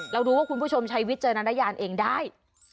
เรารู้ว่าคุณผู้ชมใช้วิจารณญาณเองได้